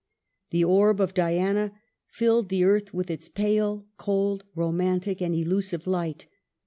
The orb of Diana filled the earth with its pale, cold, roman tic, and illusive light.